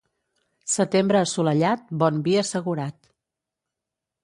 Setembre assolellat, bon vi assegurat.